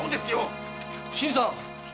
新さん！